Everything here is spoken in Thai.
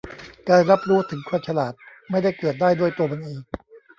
การรับรู้ถึงความฉลาดไม่ได้เกิดได้ด้วยตัวมันเอง